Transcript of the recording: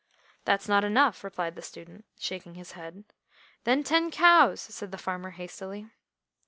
"That's not enough," replied the student, shaking his head. "Then ten cows," said the farmer hastily.